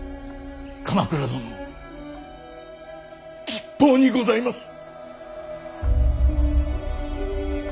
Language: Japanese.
鎌倉殿吉報にございます。